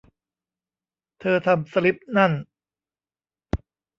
เธอทำสลิปนั่น